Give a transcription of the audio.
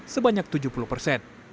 sebanyak tujuh puluh persen